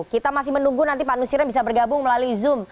kita masih menunggu nanti pak nusir yang bisa bergabung melalui zoom